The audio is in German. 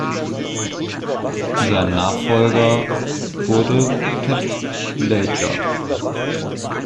Sein Nachfolger wurde Ted Leger.